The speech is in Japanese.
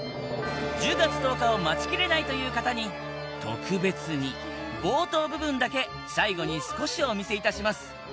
１０月１０日を待ちきれないという方に特別に冒頭部分だけ最後に少しお見せ致します